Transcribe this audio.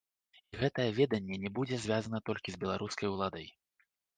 І гэтае веданне не будзе звязана толькі з беларускай уладай.